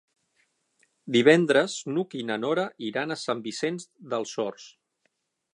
Divendres n'Hug i na Nora iran a Sant Vicenç dels Horts.